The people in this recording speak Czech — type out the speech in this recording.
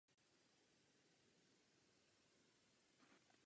Obec má taky vlastní hasičskou zbrojnici.